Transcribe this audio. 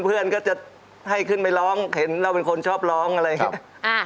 เพื่อนก็จะให้ขึ้นไปร้องเห็นเราเป็นคนชอบร้องอะไรอย่างนี้